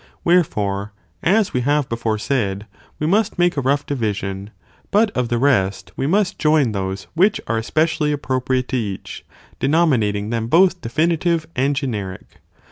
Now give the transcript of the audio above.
Wherefore, as we have be pian fore said,§ we must make a rough division, but of a the rest we must join those which are especially discussed by @PPTopriate to each,|| denominating them both the same me definitive and generic.